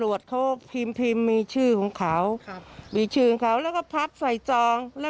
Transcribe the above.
เราคุยกับฝั่งเจ้าของที่ดินคือคุณมอสแล้วก็ป้าแวทแล้ว